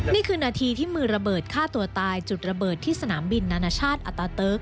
นี่คือนาทีที่มือระเบิดฆ่าตัวตายจุดระเบิดที่สนามบินนานาชาติอัตาเติร์ก